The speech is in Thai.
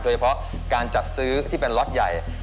โดยเฉพาะการจัดซื้อที่เป็นล็อตใหญ่